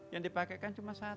yang dipakai kan cuma untuk berbual